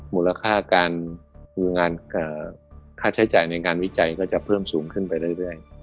มูลค่าการค่าใช้จ่ายในงานวิจัยก็จะเพิ่มสูงขึ้นไปเรื่อย